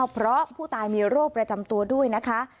เพราะผู้ตายมีโรคประจำตัวด้วยนะคะ